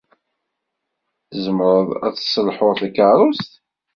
Tzemreḍ ad tesselḥuḍ takerrust?